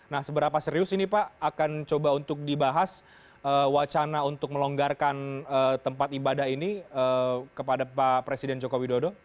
nah seberapa serius ini pak akan coba untuk dibahas wacana untuk melonggarkan tempat ibadah ini kepada pak presiden joko widodo